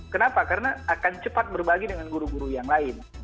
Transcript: kenapa karena akan cepat berbagi dengan guru guru yang lain